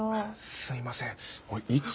すいませんいつ。